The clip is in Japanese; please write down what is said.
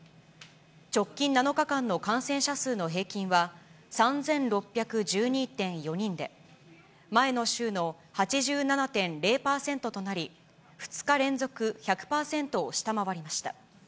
直近７日間の感染者数の平均は３６１２．４人で、前の週の８７．０％となり、２日連続１００％を下回りました。